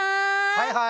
はいはい。